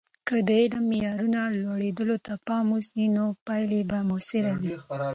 که د علم د معیارونو لوړیدو ته پام وسي، نو پایلې به موثرې وي.